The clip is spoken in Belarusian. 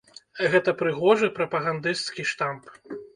Гэта прыгожы прапагандысцкі штамп.